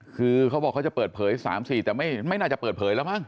คือเขาบอกเขาจะเปิดเผย๓๔แต่ไม่น่าจะเปิดเผยแล้วมั้ง